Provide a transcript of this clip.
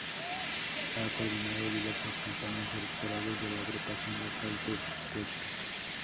Ha coordinado diversas campañas electorales de la Agrupación Local de Huesca.